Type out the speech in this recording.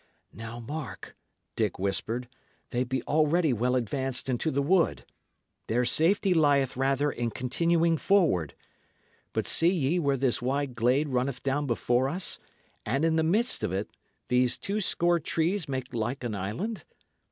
"Now, mark," Dick whispered. "They be already well advanced into the wood; their safety lieth rather in continuing forward. But see ye where this wide glade runneth down before us, and in the midst of it, these two score trees make like an island?